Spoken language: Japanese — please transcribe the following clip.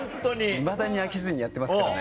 いまだに飽きずにやってますからね。